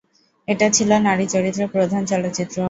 এটা ছিল নারী চরিত্র প্রধান চলচ্চিত্র।